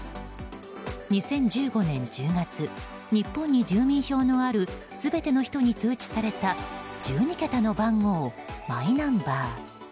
２０１５年１０月日本に住民票のある全ての人に通知された１２桁の番号マイナンバー。